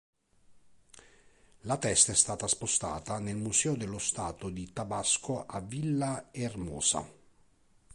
La testa è stata spostata nel Museo dello Stato di Tabasco a Villahermosa.